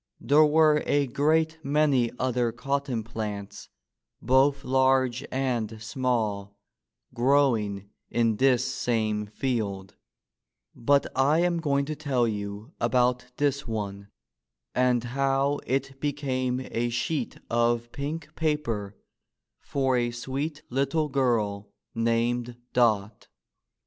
There were a great many other cotton plants both large and small growing in this same field, but I am going to tell you about this one, and how it became a sheet of pink paper for a sweet little girl named Dot.